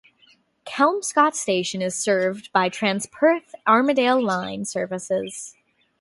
Kelmscott station is served by Transperth Armadale line services.